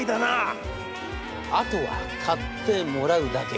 あとは買ってもらうだけ。